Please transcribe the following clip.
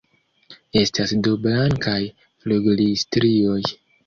Estas du blankaj flugilstrioj.